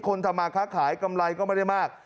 ทำมาค้าขายกำไรก็ไม่ได้มาก